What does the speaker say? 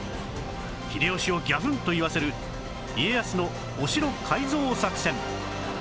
秀吉をギャフンと言わせる家康のお城改造作戦